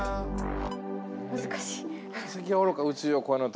難しい。